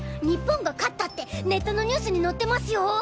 日本が勝ったってネットのニュースに載ってますよ。